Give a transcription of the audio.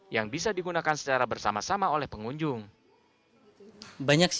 yang bisa dikonsumsi